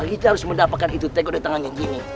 kita harus mendapatkan itu tegode tangan yang gini